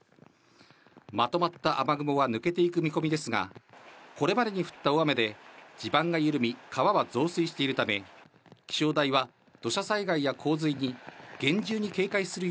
まとまった雨雲は抜けていく見込みですが、これまでに降った大雨で地盤が緩み、川は増水しているため、気象台は、土砂災害や洪水に厳重に警戒する